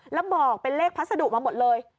แล้วบอกเป็นเลขพัสดุมาหมดเลย